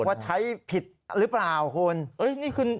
ว่าใช้ผิดหรือเปล่าคุณ